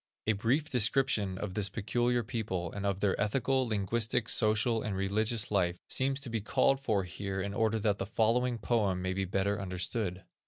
A brief description of this peculiar people, and of their ethical, linguistic, social, and religious life, seems to be called for here in order that the following poem may be the better understood.